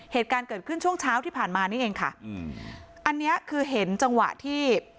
เหตุการณ์เกิดขึ้นช่วงเช้าที่ผ่านมานี่เองค่ะอืมอันเนี้ยคือเห็นจังหวะที่